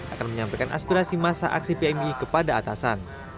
akan menyampaikan aspirasi masa aksi pmi kepada atasan